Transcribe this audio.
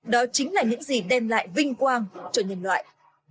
đó chính là những gì đem lại vinh quang cho nhân loại